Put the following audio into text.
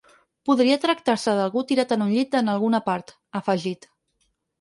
Podria tractar-se d’algú tirat en un llit en alguna part, ha afegit.